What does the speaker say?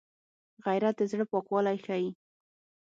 غیرت د زړه پاکوالی ښيي